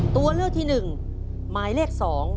ตัวเลือกที่๑หมายเลข๒